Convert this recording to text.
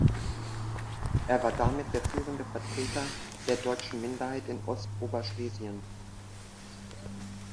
Er war damit der führende Vertreter der deutschen Minderheit in Ostoberschlesien.